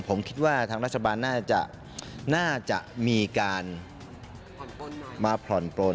ผมคิดว่าทางรัฐบาลน่าจะน่าจะมีการมาผ่อนปลน